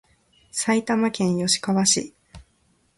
埼玉県吉川市